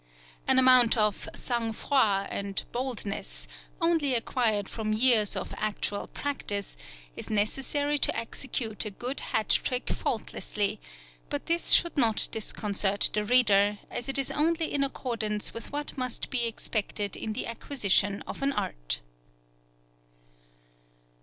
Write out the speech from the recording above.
An amount of sang froid and boldness, only acquired from years of actual practice, is necessary to execute a good hat trick faultlessly; but this should not disconcert the reader, as it is only in accordance with what must be expected in the acquisition of an art.